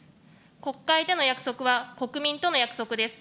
国会での約束は、国民との約束です。